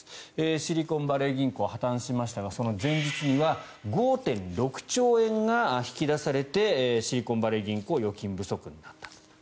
シリコンバレー銀行破たんしましたがその前日には５．６兆円が引き出されてシリコンバレー銀行預金不足になったと。